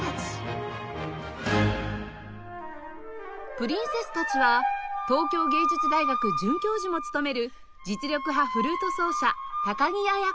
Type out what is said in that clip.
プリンセスたちは東京藝術大学准教授も務める実力派フルート奏者高木綾子さん